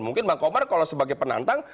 mungkin bang komar kalau sebagai penantang